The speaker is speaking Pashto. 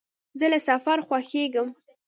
زه له سفر خوښېږم.